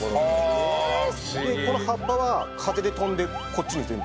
でこの葉っぱは風で飛んでこっちに全部。